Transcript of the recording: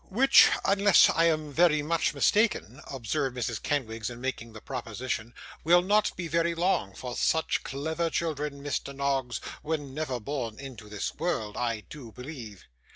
'Which, unless I am very much mistaken,' observed Mrs. Kenwigs in making the proposition, 'will not be very long; for such clever children, Mr Noggs, never were born into this world, I do believe.